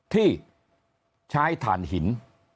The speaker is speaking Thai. ที่ใช้ฐานหิน